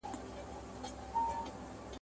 د سزا ورکولو او لاسونو ..